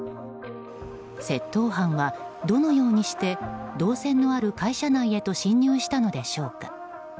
窃盗犯はどのようにして銅線のある会社内へと侵入したのでしょうか。